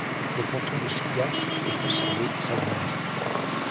Le canton de Souillac est conservé et s'agrandit.